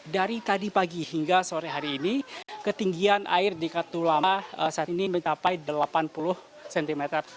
dari tadi pagi hingga sore hari ini ketinggian air di katulama saat ini mencapai delapan puluh cm